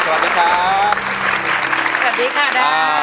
สวัสดีค่ะดาว